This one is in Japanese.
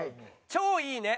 「超いいね」。